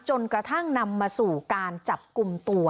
จนกระทั่งนำมาสู่การจับกลุ่มตัว